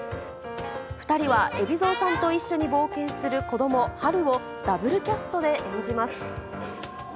２人は海老蔵さんと一緒に冒険する子ども、ハルをダブルキャストで演じます。